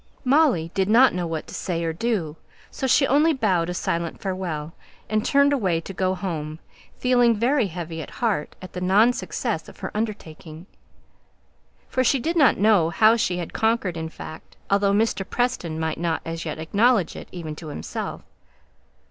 Molly did not know what to say or do; so she only bowed a silent farewell, and turned away to go home, feeling very heavy at heart at the non success of her undertaking. For she did not know how she had conquered, in fact, although Mr. Preston might not as yet acknowledge it even to himself.